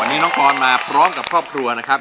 วันนี้น้องออนมาพร้อมกับครอบครัวนะครับ